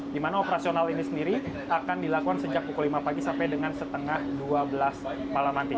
di mana operasional ini sendiri akan dilakukan sejak pukul lima pagi sampai dengan setengah dua belas malam nanti